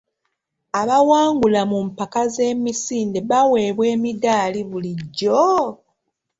Abawangula mu mpaka z'emisinde baweebwa emiddaali bulijjo?